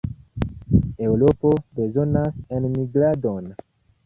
Eŭropo bezonas enmigradon.